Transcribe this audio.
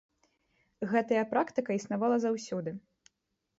Гэтая практыка існавала заўсёды.